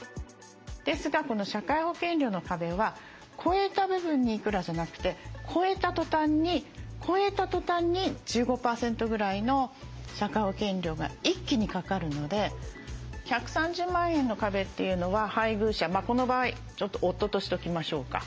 ですがこの社会保険料の壁は超えた部分にいくらじゃなくて超えたとたんに１５％ぐらいの社会保険料が一気にかかるので１３０万円の壁というのは配偶者この場合ちょっと夫としときましょうか。